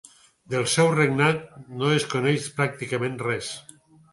Del seu regnat no es coneix pràcticament res.